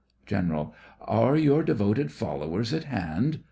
GENERAL: Are your devoted followers at hand?